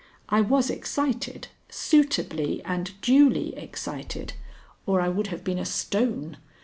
I was excited, suitably and duly excited, or I would have been a stone.